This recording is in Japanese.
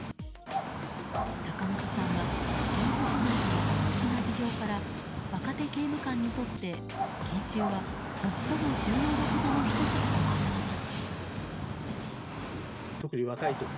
坂本さんは刑務所内の特殊な事情から若手刑務官にとって研修は最も重要なことの１つだと話します。